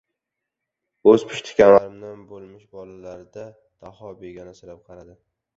O‘z pushtikamaridan bo‘lmish bolalarida Dahoga begonasirab qaradi.